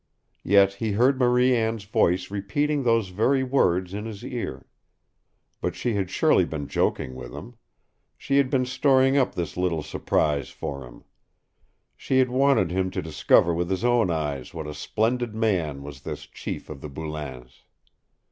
Yet he heard Marie Anne's voice repeating those very words in his ear. But she had surely been joking with him. She had been storing up this little surprise for him. She had wanted him to discover with his own eyes what a splendid man was this chief of the Boulains.